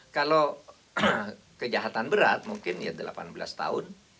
kalau kejahatan berat mungkin ya delapan belas tahun